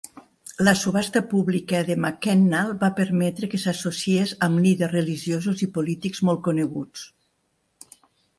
La subhasta pública de Mackennal va permetre que s"associés amb líders religiosos i polítics molt coneguts.